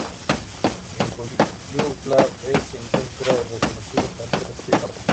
En coyutla, Ver se encuentra el reconocido Parque Reforma antes llamado el Plaza Reforma.